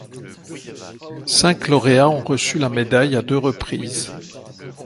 Cinq lauréats ont reçu la médaille à deux reprises.